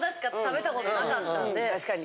確かに。